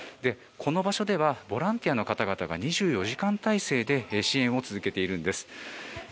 この場所ではボランティアの方々が２４時間態勢で支援を続けているんです。